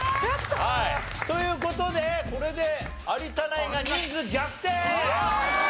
はいという事でこれで有田ナインが人数逆転。